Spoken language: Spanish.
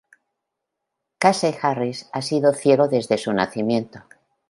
Casey Harris ha sido ciego desde su nacimiento.